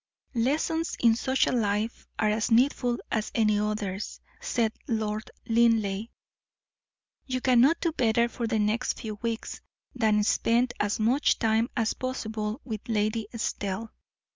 "Lessons in social life are as needful as any others," said Lord Linleigh. "You cannot do better for the next few weeks than spend as much time as possible with Lady Estelle.